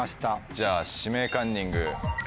じゃあ「指名カンニング」。